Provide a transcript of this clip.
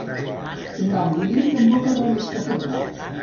Nom bíblic en boca del més caparrut.